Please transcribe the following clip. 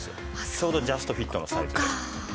ちょうどジャストフィットのサイズで。